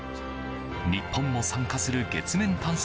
日本も参加する月面探査